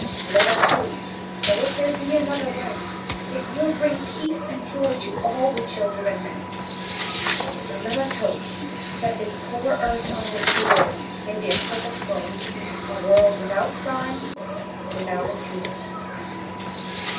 Let us hope that if there be another life it will bring peace and joy to all the children of men. And let us hope that this poor earth on which we live, may be a perfect world a world without a crime without a tear.